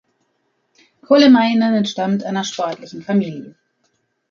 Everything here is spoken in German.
Kolehmainen entstammt einer sportlichen Familie.